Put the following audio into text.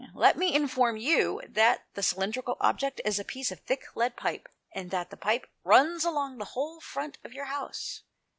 Let me inform you that the cylindrical object is a piece of thick lead pipe, and that the pipe runs along the whole front of your house."